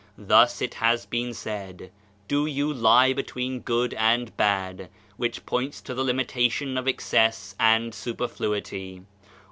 Thus, it has been said, "Do you lie between good and bad," which points to the limitation of excess and superfluity.